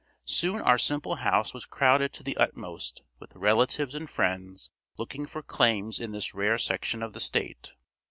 Soon our simple house was crowded to the utmost with relatives and friends looking for claims in this rare section of the state.